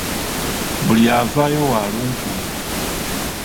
Buli avaayo wa lunkulu.